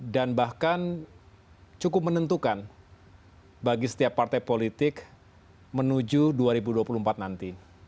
dan bahkan cukup menentukan bagi setiap partai politik menuju dua ribu dua puluh empat nanti